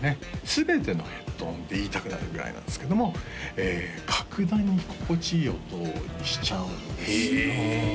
全てのヘッドホンって言いたくなるぐらいなんですけども格段に心地いい音にしちゃうんですよ